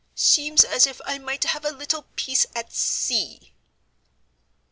Seems as if I might have a little peace at sea."